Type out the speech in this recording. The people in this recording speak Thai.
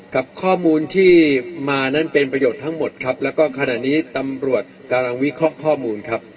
กับข้อมูลที่มานั้นเป็นประโยชน์ทั้งหมดครับแล้วก็ขณะนี้ตำรวจกำลังวิเคราะห์ข้อมูลครับ